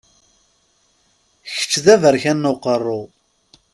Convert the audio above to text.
Kečč d aberkan n uqerru!